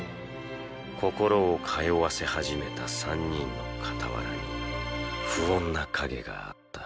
心を通わせ始めた３人の傍らに不穏な影があった